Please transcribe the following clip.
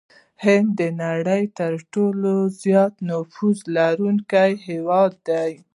هند د نړۍ ترټولو زيات نفوس لرونکي هېواد دي.